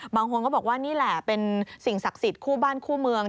บางคนก็บอกว่านี่แหละเป็นสิ่งศักดิ์สิทธิ์คู่บ้านคู่เมือง